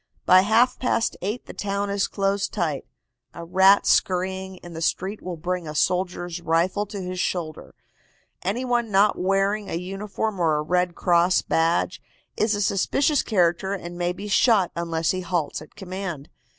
By half past eight the town is closed tight. A rat scurrying in the street will bring a soldier's rifle to his shoulder. Any one not wearing a uniform or a Red Cross badge is a suspicious character and may be shot unless he halts at command.